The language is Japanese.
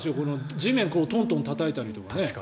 地面をトントンたたいたりとかね。